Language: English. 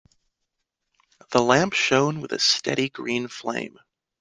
The lamp shone with a steady green flame.